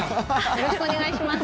よろしくお願いします。